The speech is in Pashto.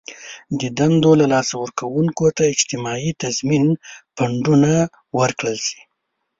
د دندو له لاسه ورکوونکو ته اجتماعي تضمین فنډونه ورکړل شي.